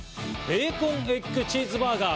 ベーコン・エッグ・チーズバーガー。